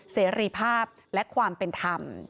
เสรีภาพและความเป็นธรรม